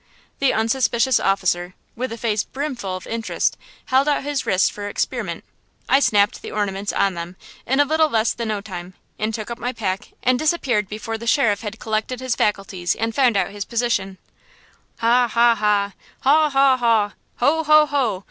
"The unsuspicious officer, with a face brimful of interest, held out his wrists for experiment. "I snapped the ornaments on them in a little less than no time, and took up my pack and disappeared before the sheriff had collected his faculties and found out his position!" "Ha, ha, ha! Haw, haw, haw! Ho, ho, ho!"